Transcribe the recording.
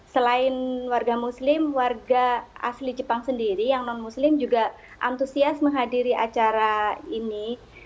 selain warga muslim warga asli jepang sendiri yang non muslim juga antusias menghadiri acara ini